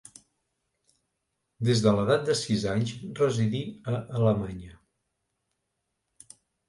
Des de l'edat de sis anys residí a Alemanya.